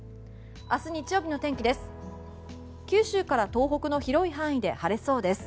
明日、日曜日の天気です。